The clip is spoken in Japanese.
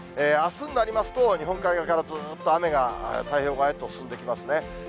あすになりますと、日本海側からずーっと雨が太平洋側へと進んできますね。